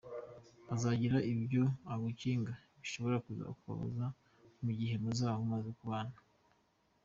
Azagira ibyo agukinga, bishobora kuzakubabaza mu gihe muzaba mumaze kubana.